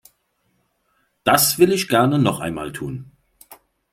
Das will ich gern noch einmal tun.